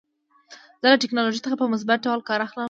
زه له ټکنالوژۍ څخه په مثبت ډول کار اخلم.